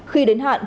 khi đến hạn